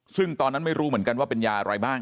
ซึ่งตอนนั้นไม่รู้เหมือนกันว่าเป็นยาอะไรบ้าง